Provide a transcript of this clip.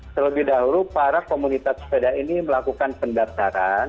terlebih dahulu para komunitas pesepeda ini melakukan pendataran